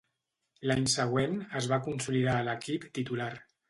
L'any següent, es va consolidar a l'equip titular.